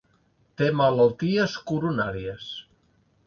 Té malalties coronàries.